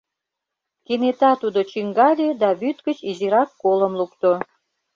Кенета тудо чӱҥгале да вӱд гыч изирак колым лукто.